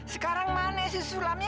sekarang mana si sulamnya